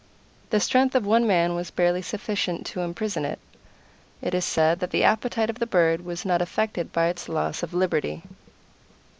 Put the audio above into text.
The strength of one man was barely sufficient to imprison it. It is said that the appetite of the bird was not affected by its loss of liberty.